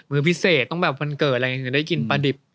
มื้อพิเศษต้องแบบกระเกิดอะไรอย่างนี้ได้กินปลาดิบ